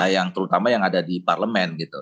yang terutama yang ada di parlemen gitu